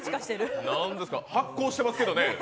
発光してますけどね。